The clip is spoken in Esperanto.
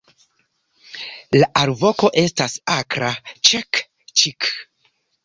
La alvoko estas akra "ĉek-ĉik".